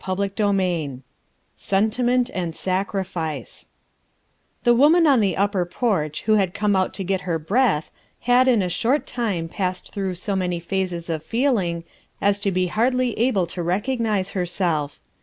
CHAPTER IX SENTIMENT AND SACRIFICE THE woman on the upper porch who had come out to get her breath had in a short time passed through so many phases of feeling as to be hardly able to recognize herself.